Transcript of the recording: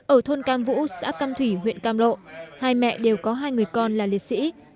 ở thôn cam vũ xã cam thủy huyện cam lộ hai mẹ đều có hai người con là liệt sĩ